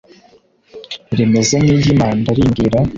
rimeze nk’iry’impanda rimbwira